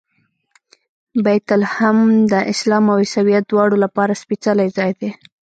بیت لحم د اسلام او عیسویت دواړو لپاره سپېڅلی ځای دی.